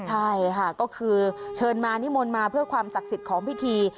ใช่ค่ะก็คือเชิญมานิมนต์มาเพื่อความศักดิ์สิทธิ์ของพิธี